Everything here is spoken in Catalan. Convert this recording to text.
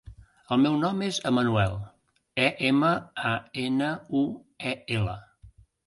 El meu nom és Emanuel: e, ema, a, ena, u, e, ela.